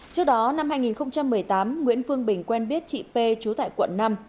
trước đó năm hai nghìn một mươi tám nguyễn phương bình quen biết chị p trú tại quận năm